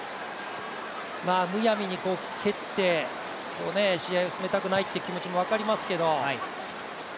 むやみに蹴って試合を進めたくないという気持ちも分かりますけど。